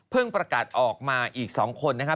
เพิ่งประกาศออกมาอีกสองคนนะคะ